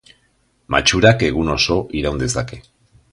Matxurak egun oso iraun dezake.